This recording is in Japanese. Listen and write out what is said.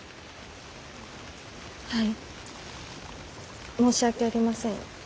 はい申し訳ありません